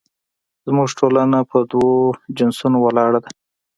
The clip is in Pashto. زموږ ټولنه په دوو جنسونو ولاړه ده